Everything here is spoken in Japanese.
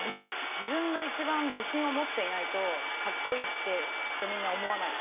自分が一番自信を持っていないとかっこいいってきっとみんな思わない。